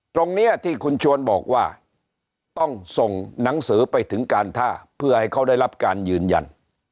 ตรงนี้ที่คุณชวนบอกว่าต้องส่งหนังสือไปถึงการท่าเพื่อให้เขาได้รับการยืนยัน